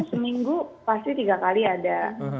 seminggu pasti tiga kali ada